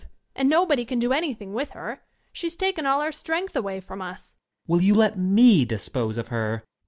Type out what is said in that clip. And nobody can do anything with her. She has taken all our strength away from us. Student. Will you let me dispose of her?